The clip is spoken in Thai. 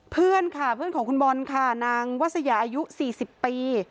เพื่อนค่ะเพื่อนของคุณบอลค่ะนางวัสยาอายุ๔๐ปี